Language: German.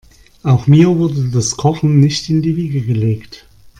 Auch mir wurde das Kochen nicht in die Wiege gelegt.